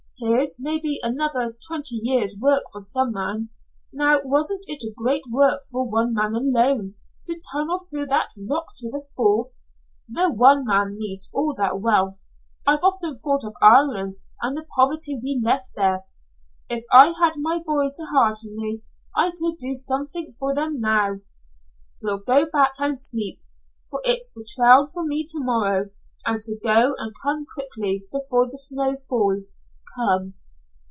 Here's maybe another twenty years' work for some man. Now, wasn't it a great work for one man alone, to tunnel through that rock to the fall? No one man needs all that wealth. I've often thought of Ireland and the poverty we left there. If I had my boy to hearten me, I could do something for them now. We'll go back and sleep, for it's the trail for me to morrow, and to go and come quickly, before the snow falls. Come!"